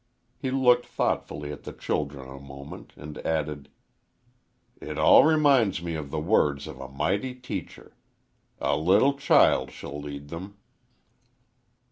He looked thoughtfully at the children a moment and added: "It all reminds me of the words of a mighty teacher, 'A little child shall lead them.'"